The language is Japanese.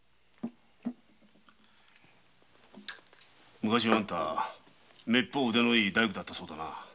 昔のあんたは滅法腕のいい大工だったそうだな。